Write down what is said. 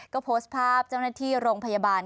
ก็โพสต์ภาพเจ้าหน้าที่โรงพยาบาล